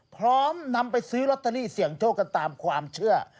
พร้อมนำไปซื้อลอตเตอรี่เสี่ยงโชคกันตามความเชื่อ